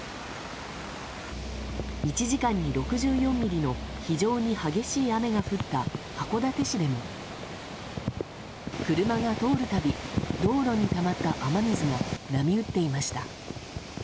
１時間に６４ミリの非常に激しい雨が降った函館市でも車が通るたび道路にたまった雨水も波打っていました。